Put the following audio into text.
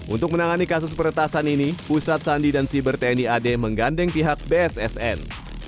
untuk menangani kasus peretasan ini pusat sandi dan siber tni ad menggandeng pihak bssn